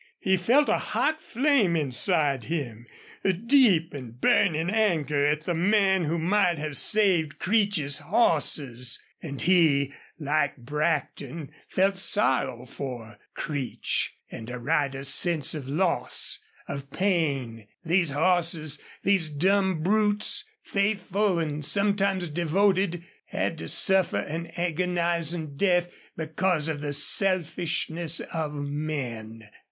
He felt a hot flame inside him a deep and burning anger at the man who might have saved Creech's horses. And he, like Brackton, felt sorrow for Creech, and a rider's sense of loss, of pain. These horses these dumb brutes faithful and sometimes devoted, had to suffer an agonizing death because of the selfishness of men.